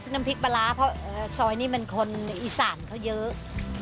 น้ำพริกปลาร้าเพราะซอยนี้มันคนในอีสานเขาเยอะ